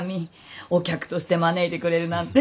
お客として招いてくれるなんて。